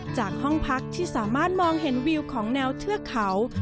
จากห้องพักที่สามารถมองเห็นวิวของแนวเทือกเขา